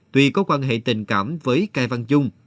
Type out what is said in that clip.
tuy có quan hệ tình cảm với cây văn trung